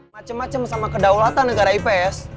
macem macem sama kedaulatan negara ips